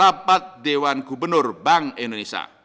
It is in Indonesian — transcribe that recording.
rapat dewan gubernur bank indonesia